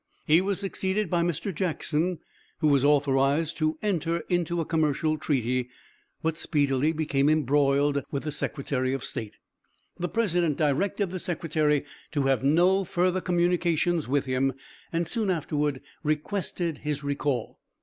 He was succeeded by Mr. Jackson who was authorized to enter into a commercial treaty, but speedily became embroiled with the Secretary of State. The president directed the secretary to have no further communication with him, and soon afterward requested his recall.